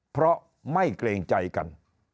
เพราะไม่เกรงใจกัน